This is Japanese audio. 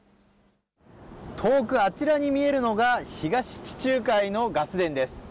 遠くあちらに見えるのが、東地中海のガス田です。